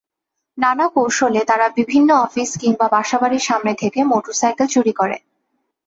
নানা কৌশলে তারা বিভিন্ন অফিস কিংবা বাসাবাড়ির সামনে থেকে মোটরসাইকেল চুরি করে।